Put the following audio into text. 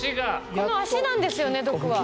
この足なんですよね毒は。